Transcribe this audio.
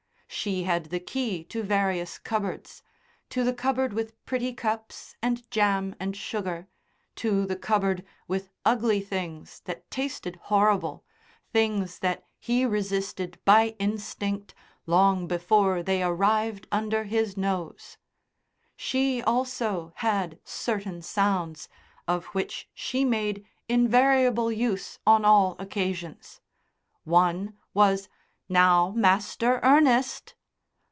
She had the key to various cupboards to the cupboard with pretty cups and jam and sugar, to the cupboard with ugly things that tasted horrible, things that he resisted by instinct long before they arrived under his nose. She also had certain sounds, of which she made invariable use on all occasions. One was, "Now, Master Ernest!"